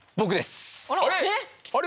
あれ？